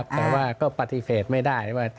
แต่ว่าก็ปฏิเสธไม่ได้ว่า